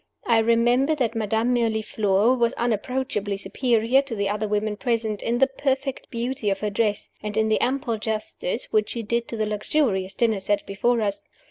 I remember that Madame Mirliflore was unapproachably superior to the other women present, in the perfect beauty of her dress, and in the ample justice which she did to the luxurious dinner set before us.